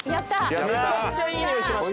めちゃくちゃいいにおいしました。